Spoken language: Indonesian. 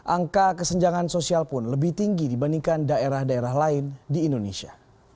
angka kesenjangan sosial pun lebih tinggi dibandingkan daerah daerah lain di indonesia